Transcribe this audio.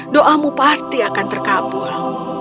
doamu pasti akan terkabul